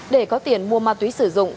để có tiền mua ma túy sử dụng